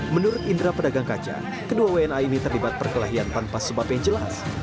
menurut indra pedagang kaca kedua wna ini terlibat perkelahian tanpa sebab yang jelas